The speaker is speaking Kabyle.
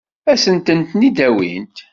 Ad sen-ten-id-awint?